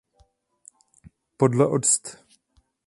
Podle odst.